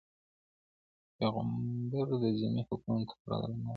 پيغمبر د ذمي حقوقو ته پوره درناوی درلود.